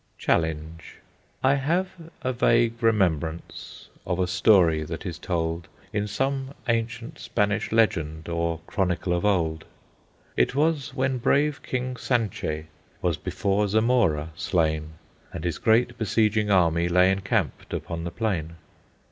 CHALLENGE I have a vague remembrance Of a story that is told In some ancient Spanish legend Or chronicle of old. It was when brave King Sanchez Was before Zamora slain, And his great besieging army Lay encamped upon the plain.